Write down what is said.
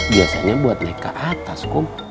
biasanya buat naik ke atas